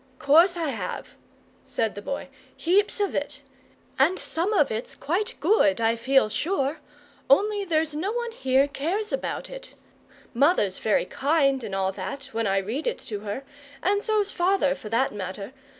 "'Course I have," said the Boy. "Heaps of it. And some of it's quite good, I feel sure, only there's no one here cares about it. Mother's very kind and all that, when I read it to her, and so's father for that matter.